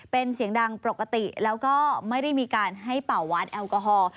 เป็นเสียงดังปกติแล้วก็ไม่ได้มีการให้เป่าวัดแอลกอฮอล์